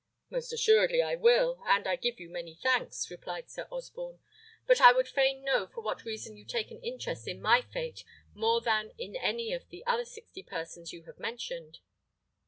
"Most assuredly I will, and I give you many thanks," replied Sir Osborne. "But I would fain know for what reason you take an interest in my fate more than in any of the other sixty persons you have mentioned."